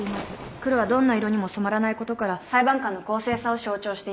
黒はどんな色にも染まらないことから裁判官の公正さを象徴しています。